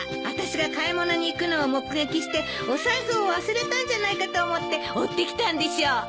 あたしが買い物に行くのを目撃してお財布を忘れたんじゃないかと思って追ってきたんでしょ？